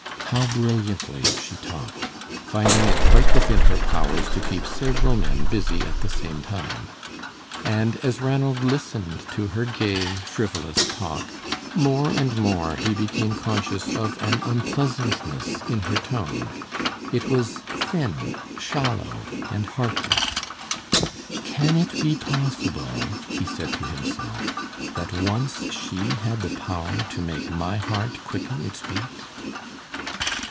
How brilliantly she talked, finding it quite within her powers to keep several men busy at the same time; and as Ranald listened to her gay, frivolous talk, more and more he became conscious of an unpleasantness in her tone. It was thin, shallow, and heartless. "Can it be possible," he said to himself, "that once she had the power to make my heart quicken its beat?"